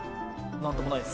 「なんともないです」